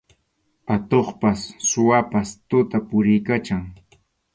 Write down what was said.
Atuqpas suwapas tuta puriykachan.